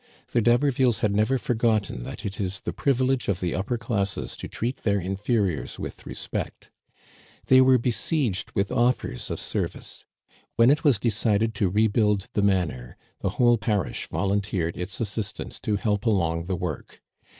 The D'Habervilles had never forgotten that it is the privilege of the upper classes to treat their inferiors with respect. They were beseiged with offers of service. When it was decided to rebuild the manor, the whole parish volunteered its assistance to help along the work.